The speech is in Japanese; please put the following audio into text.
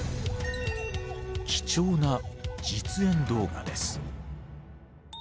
貴重な実演動画です。